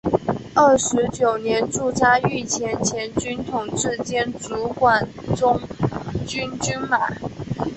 二十九年驻扎御前前军统制兼主管中军军马。